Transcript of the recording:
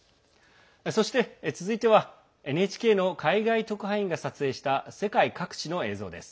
そして、続いてはＮＨＫの海外特派員が撮影した世界各地の映像です。